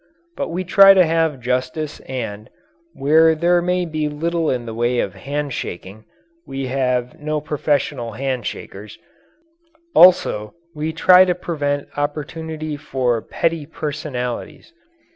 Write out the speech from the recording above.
But we try to have justice and, while there may be little in the way of hand shaking we have no professional hand shakers also we try to prevent opportunity for petty personalities.